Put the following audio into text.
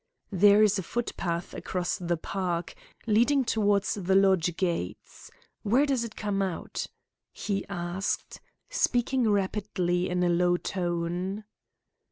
"There is a footpath across the park, leading towards the lodge gates. Where does it come out?" he asked, speaking rapidly in a low tone.